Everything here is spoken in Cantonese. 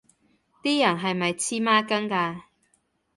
啲人係咪黐孖筋㗎